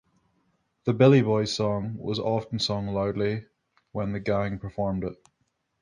The "Billy Boys" song was often sung loudly when the gang performed it.